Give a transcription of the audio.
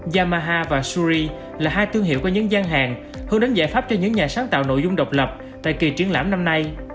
yamaha và shuri là hai thương hiệu của những gian hàng hơn đến giải pháp cho những nhà sáng tạo nội dung độc lập tại kỳ triển lãm năm nay